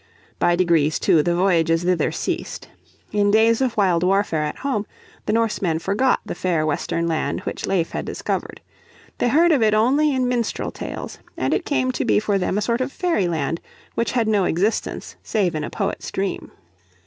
By degrees too the voyages thither ceased. In days of wild warfare at home the Norsemen forgot the fair western land which Leif had discovered. They heard of it only in minstrel tales, and it came to be for them a sort of fairy land which had no existence save in a poet's dream.